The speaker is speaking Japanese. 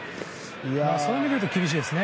そういう意味で言うと厳しいですね。